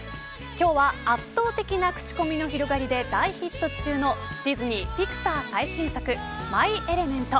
今日は、圧倒的な口コミの広がりで大ヒット中のディズニー・ピクサー最新作マイ・エレメント。